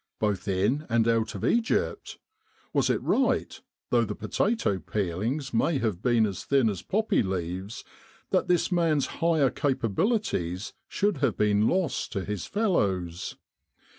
both in and out of Egypt was it right, though the potato peelings may have been as thin as poppy leaves, that this man's higher capabili ties should have been lost to his fellows?